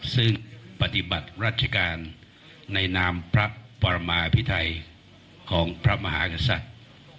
ซึ่งปฏิบัติราชการในนามพระปรมาพิไทยของพระมหากษัตริย์